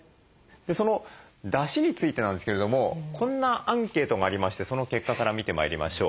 そのだしについてなんですけれどもこんなアンケートがありましてその結果から見てまいりましょう。